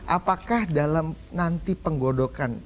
apakah dalam nanti penggodokan